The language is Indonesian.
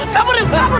kabur nih kabur